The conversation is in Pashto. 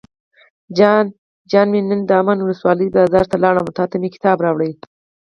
جان مې نن دامن ولسوالۍ بازار ته لاړم او تاته مې کتاب راوړل.